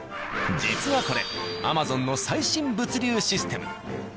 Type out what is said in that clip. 実はこれＡｍａｚｏｎの最新物流システム。